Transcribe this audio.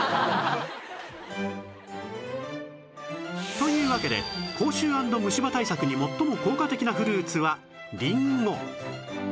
というわけで口臭＆虫歯対策に最も効果的なフルーツはりんご